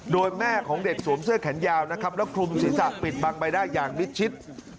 โดยแม่ของเด็กสวมเสื้อแขนยาวนะครับแล้วคลุมศีรษะปิดบังใบหน้าอย่างมิดชิด